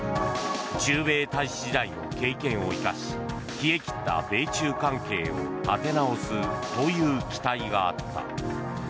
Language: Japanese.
駐米大使時代の経験を生かし冷え切った米中関係を立て直すという期待があった。